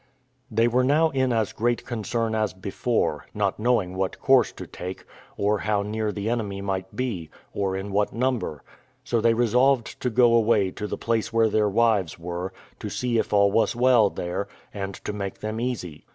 They were now in as great concern as before, not knowing what course to take, or how near the enemy might be, or in what number; so they resolved to go away to the place where their wives were, to see if all was well there, and to make them easy.